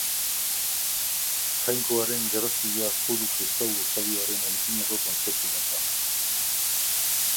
Jainkoaren Grazia judu-kristau usadioaren antzinako kontzeptu bat da.